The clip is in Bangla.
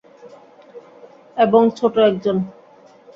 এবং ছোট একজন।